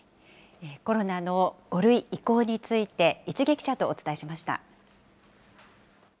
コロナの５類移行について、市毛記者とお伝えしました。